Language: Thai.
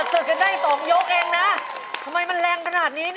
สอนใจ